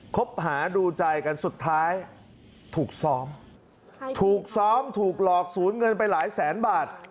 คบหาดูใจกันสุดท้ายถูกซ้อมถูกซ้อมถูกหลอกศูนย์เงินไปหลายแสนบาท